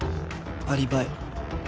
アリバイ。